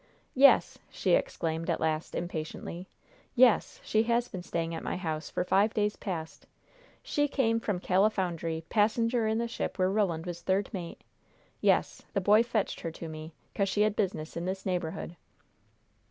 "Yes!" she exclaimed, at last, impatiently. "Yes! She has been staying at my house for five days past. She came from Califoundery, passenger in the ship where Roland was third mate. Yes! The boy fetched her to me, 'cause she had business in this neighborhood."